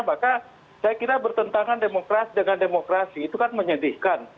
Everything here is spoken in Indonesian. maka saya kira bertentangan demokrasi dengan demokrasi itu kan menyedihkan